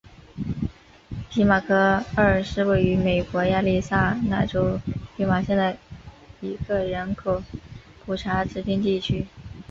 皮马科二是位于美国亚利桑那州皮马县的一个人口普查指定地区。